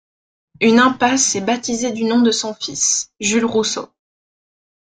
Une impasse est baptisée du nom de son fils, Jules Rousseau.